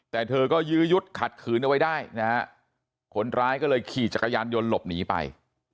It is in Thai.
แต่เธอก็ยื้อยุดขัดขืนเอาไว้ได้นะฮะคนร้ายก็เลยขี่จักรยานยนต์หลบหนีไป